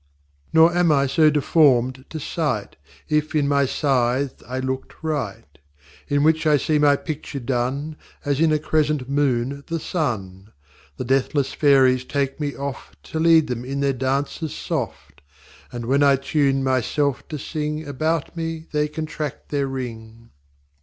VIII Nor am I so deform'd to sight, If in my Sithe I looked right; In which I see my Picture done, As in a crescent Moon the Sun. The deathless Fairyes take me oft To lead them in their Danses soft: And, when I tune my self to sing, About me they contract their Ring.